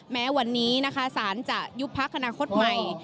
แม้วันนี้สารจะยุบภักดิ์อนาคตใหม่